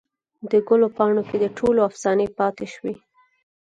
دګلو پاڼوکې دټولو افسانې پاته شوي